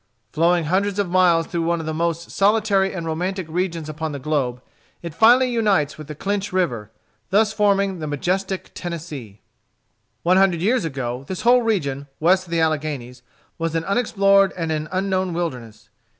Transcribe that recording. Flowing hundreds of miles through one of the most solitary and romantic regions upon the globe, it finally unites with the Clinch River, thus forming the majestic Tennessee. One hundred years ago, this whole region, west of the Alleghanies, was an unexplored and an unknown wilderness.